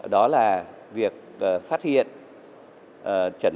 đó là việc phát hiện